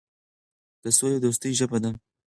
د سولې او دوستۍ ژبه ده.